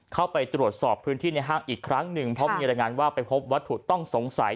เข้าไปตรวจสอบพื้นที่ในห้างอีกครั้งหนึ่งเพราะมีรายงานว่าไปพบวัตถุต้องสงสัย